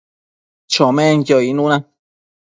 chomenquio icnuna